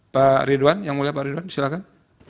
pak ridwan yang mulia pak ridwan silahkan